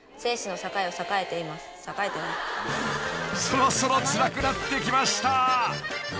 ［そろそろつらくなってきました］